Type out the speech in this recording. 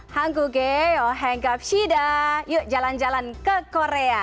hang guk gye yo hang gap shida yuk jalan jalan ke korea